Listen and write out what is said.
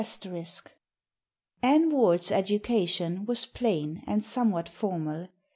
*] "Ann Ward's education was plain and somewhat formal.